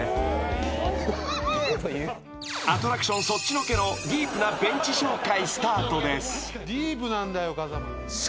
［アトラクションそっちのけのディープなベンチ紹介スタートです］